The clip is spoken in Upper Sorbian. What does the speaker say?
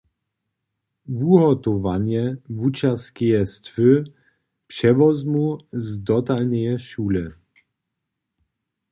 Wuhotowanje wučerskeje stwy přewozmu z dotalneje šule.